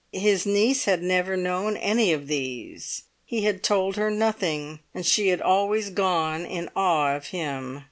His niece had never known anything of these; he had told her nothing, and she had always gone in awe of him.